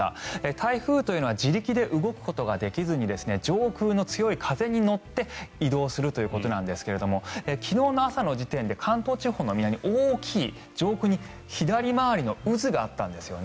台風というのは自力で動くことができずに上空の強い風に乗って移動するということなんですが昨日の朝の時点で関東地方の南に大きい、上空に左回りの渦があったんですね。